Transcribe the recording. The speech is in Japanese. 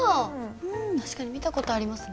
確かに見た事ありますね。